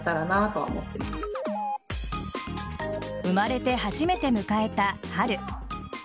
生まれて初めて迎えた春。